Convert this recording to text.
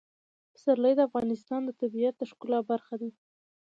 پسرلی د افغانستان د طبیعت د ښکلا برخه ده.